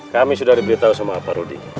kami sudah diberitahu sama pak rudi